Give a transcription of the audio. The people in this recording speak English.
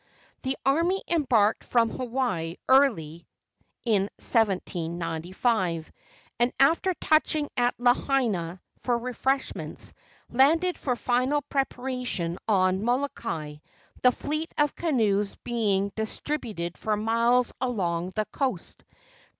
The army embarked from Hawaii early in 1795, and, after touching at Lahaina for refreshments, landed for final preparation on Molokai, the fleet of canoes being distributed for miles along the coast.